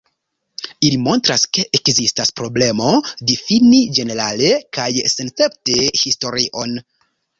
Ili montras, ke ekzistas problemo difini ĝenerale kaj senescepte historion.